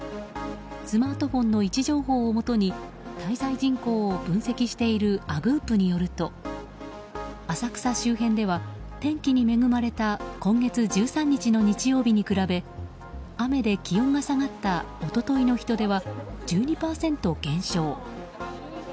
スマートフォンの位置情報をもとに滞在人口を分析しているＡｇｏｏｐによると浅草周辺では天気に恵まれた今月１３日の日曜日に比べ雨で気温が下がった一昨日の人出は１２％減少。